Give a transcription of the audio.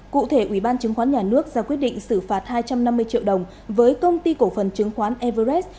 cụ thể ủy ban chứng khoán nhà nước ra quyết định xử phạt hai trăm năm mươi triệu đồng với công ty cổ phần chứng khoán everest